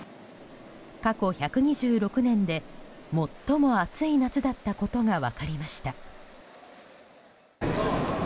過去１２６年で最も暑い夏だったことが分かりました。